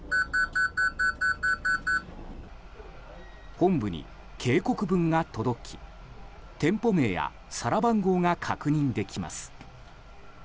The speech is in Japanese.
本部に警告文が届き店舗名や皿番号が確認できます。